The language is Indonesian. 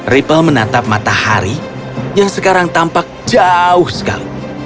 ripple menatap matahari yang sekarang tampak jauh sekali